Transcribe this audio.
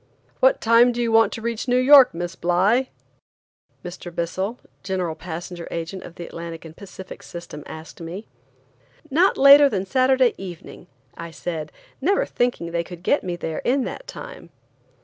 "What time do you want to reach New York, Miss Bly?" Mr. Bissell, General Passenger Agent of the Atlantic and Pacific system, asked me. "Not later than Saturday evening," I said, never thinking they could get me there in that time.